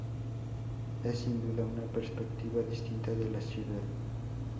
Es, sin duda, una perspectiva distinta de la ciudad.